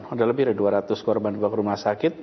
sudah lebih dari dua ratus korban ke rumah sakit